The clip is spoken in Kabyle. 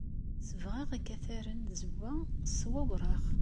Sebɣeɣ ikataren n tzewwa s wewraɣ.